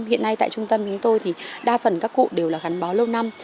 hiện nay tại trung tâm chúng tôi thì đa phần các cụ đều là gắn bó lâu năm